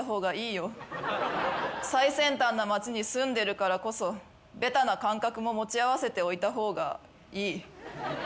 最先端な街に住んでるからこそべたな感覚も持ち合わせておいた方がいい。